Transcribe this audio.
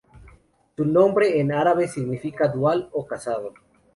Su nombre en árabe significa dual o casado.